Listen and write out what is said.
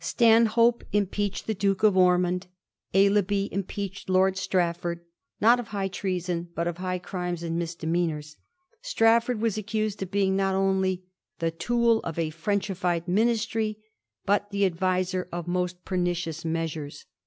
Stanhope impeached the Duke of Ormond ; Aislabie impeached Lord Strafford — not of high treason, but of high crimes and misdemeanours ; Strafford was accused of being not only * the tool of a Frenchified ministry,' but the adviser of most per nicious measures.